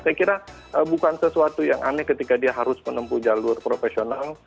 saya kira bukan sesuatu yang aneh ketika dia harus menempuh jalur profesional